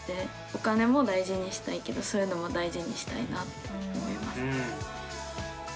お金も大事にしたいけどそういうのも大事にしたいなって思います。